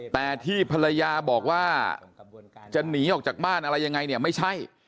แต่ที่ภรรยาบอกว่าจะหนีออกจากบ้านอะไรยังไงเนี่ยไม่ใช่